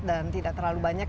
dan tidak terlalu banyak